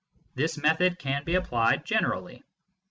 This method can be applied generally.